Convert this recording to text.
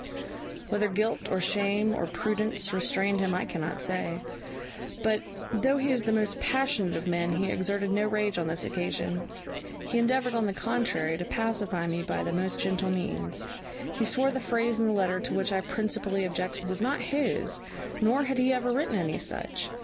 "Whether guilt, or shame, or prudence, restrained him I cannot say; but, though he is the most passionate of men, he exerted no rage on this occasion. He endeavoured, on the contrary, to pacify me by the most gentle means. He swore the phrase in the letter to which I principally objected was not his, nor had he ever written any such.